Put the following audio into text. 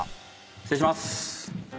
失礼します。